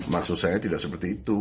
maksud saya tidak seperti itu